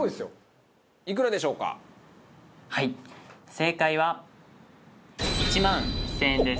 正解は１万１０００円です。